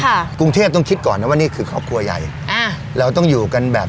กรุงเทพต้องคิดก่อนนะว่านี่คือครอบครัวใหญ่อ่าเราต้องอยู่กันแบบ